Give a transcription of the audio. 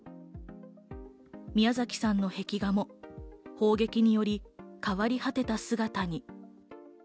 ミヤザキさんの壁画も砲撃により変わり果てた姿に。